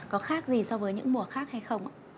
có khác gì so với những mùa khác hay không ạ